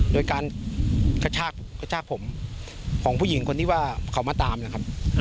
โดยการกระชากผมของผู้หญิงคนที่ว่าเขามาตามนะครับ